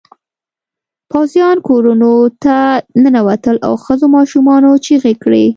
پوځيان کورونو ته ننوتل او ښځو ماشومانو چیغې کړې.